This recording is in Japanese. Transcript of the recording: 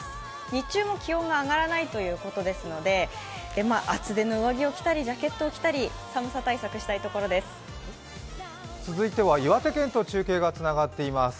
日中も気温は上がらないということですので、厚手の上着を着たりジャケットを着たり寒さ対策したいところです。